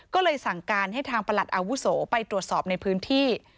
ก็เลยสั่งการให้ทางประหลัดอาวุโสไปตรวจสอบในพื้นที่